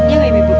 iya gak ibu